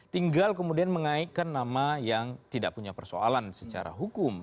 tinggal kemudian mengaitkan nama yang tidak punya persoalan secara hukum